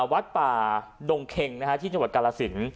วัดป่าดงเค็งที่จังหวัดกาลสิน